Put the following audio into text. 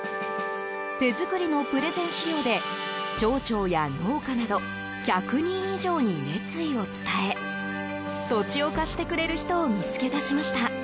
手作りのプレゼン資料で町長や農家など１００人以上に熱意を伝え土地を貸してくれる人を見つけ出しました。